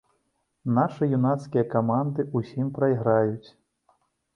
Нашы юнацкія каманды ўсім прайграюць.